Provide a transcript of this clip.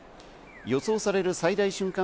予想される最大瞬間